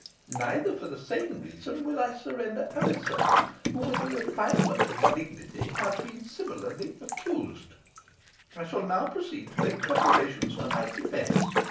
Neither, for the same reason, will I surrender Alizon, who, with a refinement of malignity, has been similarly accused. I shall now proceed to make preparations for my defence.